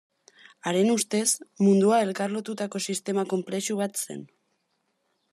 Haren ustez mundua elkar lotutako sistema konplexu bat zen.